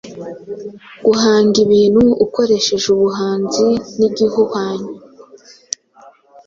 guhanga ibintu ukoreheje ubuhanzi nigihuhanyo